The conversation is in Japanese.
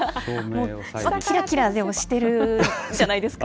きらきらでも、してるんじゃないですか。